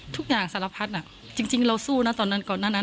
ทุกอย่างสารพัฒน์อ่ะจริงเราสู้นะตอนนั้นก่อนหน้านั้น